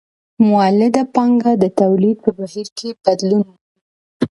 مولده پانګه د تولید په بهیر کې بدلون مومي